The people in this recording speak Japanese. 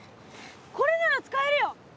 これなら使えるよ！